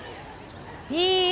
いいえ。